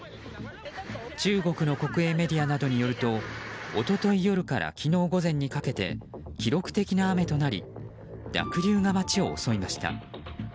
中国の国営メディアなどによると一昨日夜から昨日午前にかけて記録的な雨となり濁流が街を襲いました。